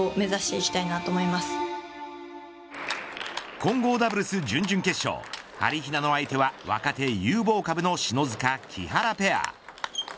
混合ダブルス準々決勝はりひなの相手は若手有望株の篠塚、木原ペア。